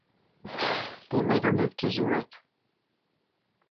They later moved to Zurich.